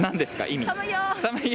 意味。